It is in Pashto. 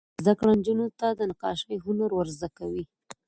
زده کړه نجونو ته د نقاشۍ هنر ور زده کوي.